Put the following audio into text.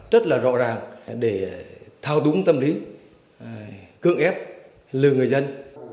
rất là rõ ràng để thao túng tâm lý cưỡng ép lừa người dân